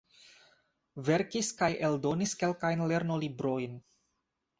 Verkis kaj eldonis kelkajn lernolibrojn.